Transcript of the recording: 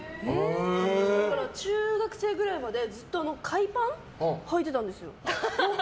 だから中学生ぐらいまでずっと海パンはいてたんですよ。